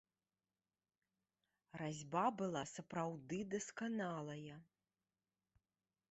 Разьба была сапраўды дасканалая.